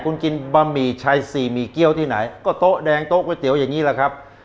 คุณกินบะหมี่ชายสี่หมี่เกี้ยวที่ไหนก็โต๊ะแดงโต๊ะก๋วยเตี๋ยวอย่างนี้แหละครับ